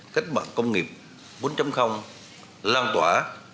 cách mạng công nghiệp bốn lan tỏa